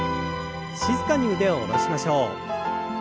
静かに腕を下ろしましょう。